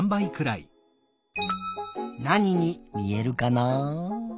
なににみえるかな？